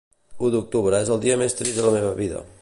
U d'Octubre és el dia més trist de la meva vida